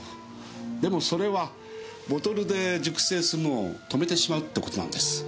でもそれはボトルで熟成するのを止めてしまうって事なんです。